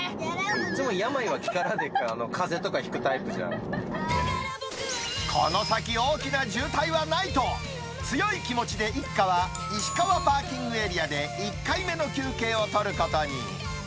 いつも病は気からでかぜとかこの先、大きな渋滞はないと、強い気持ちで一家は石川パーキングエリアで１回目の休憩を取ることに。